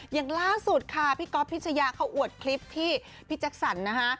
อย่างล่าสุดค่ะพี่ก๊อฟพิชยาเขาอวดคลิปที่พี่แจ็คสันนะคะ